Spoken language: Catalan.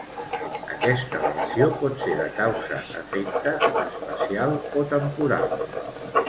Aquesta relació pot ser de causa-efecte, espacial o temporal.